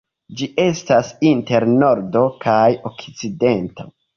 Ĝi estas inter Nordo kaj Okcidento.